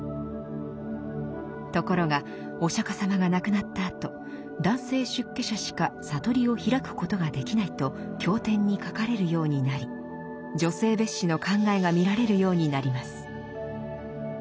ところがお釈迦様が亡くなったあと男性出家者しか覚りを開くことができないと経典に書かれるようになり女性蔑視の考えが見られるようになります。